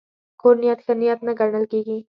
کوږ نیت ښه نیت نه ګڼل کېږي